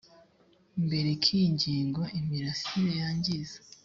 mbere k iyi ngingo imirasire yangiza